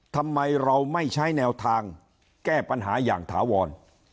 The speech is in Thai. ทำไมเราไม่ใช้แนวทางแก้ปัญหาอย่างถาวร